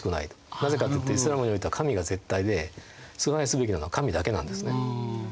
なぜかというとイスラームにおいては神が絶対で崇拝すべきなのは神だけなんですね。